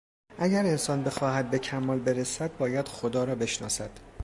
اگر انسان بخواهد به کمال برسد باید خدا را بشناسد.